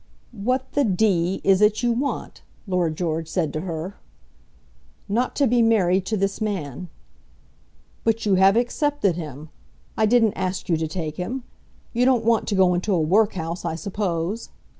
"What the d is it you want?" Lord George said to her. "Not to be married to this man." "But you have accepted him. I didn't ask you to take him. You don't want to go into a workhouse, I suppose?"